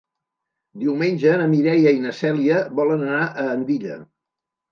Diumenge na Mireia i na Cèlia volen anar a Andilla.